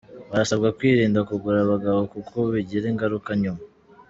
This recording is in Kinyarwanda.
Barasabwa kwirinda kugura abagabo kuko bigira ingaruka nyuma